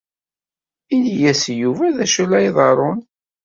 Ini-as i Yuba d acu ay la iḍerrun.